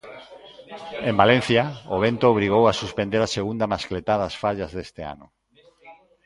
En Valencia, o vento obrigou a suspender a segunda mascletá das fallas deste ano.